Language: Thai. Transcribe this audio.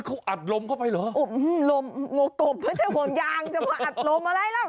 เขาอัดลมเข้าไปเหรอโอ้โหลมโกบไม่ใช่ห่วงยางจำเป็นว่าอัดลมอะไรแล้ว